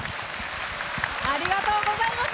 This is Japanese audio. ありがとうございます。